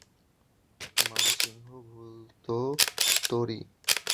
মানসিংহ, ভুল তো তোরই।